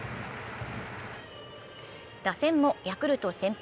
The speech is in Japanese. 打線もヤクルト先発